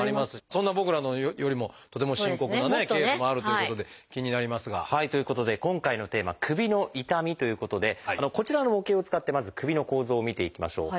そんな僕らよりもとても深刻なケースもあるということで気になりますが。ということで今回のテーマ「首の痛み」ということでこちらの模型を使ってまず首の構造を見ていきましょう。